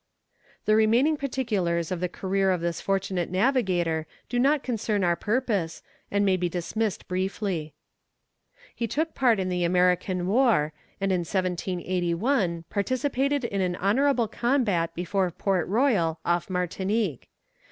The remaining particulars of the career of this fortunate navigator do not concern our purpose, and may be dismissed briefly. He took part in the American war, and in 1781 participated in an honourable combat before Port Royal off Martinique.